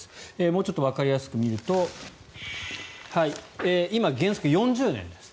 もうちょっとわかりやすく見ると今、原則４０年です。